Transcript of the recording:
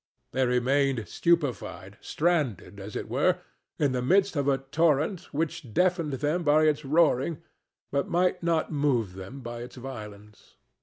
They remained stupefied, stranded, as it were, in the midst of a torrent which deafened them by its roaring, but might not move them by its violence.